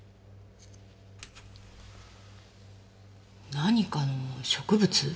何かの植物？